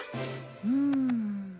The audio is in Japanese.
うん。